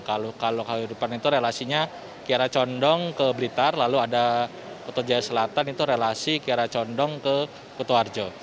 kalau kahuripan itu relasinya kiara condong ke britar lalu ada kuto jaya selatan itu relasi kiara condong ke kuto arjo